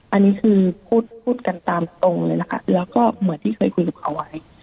อันนี้คือพูดพูดกันตามตรงเลยนะคะแล้วก็เหมือนที่เคยคุยกับเขาไว้